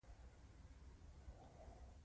چې مخصوص کارتونه لري.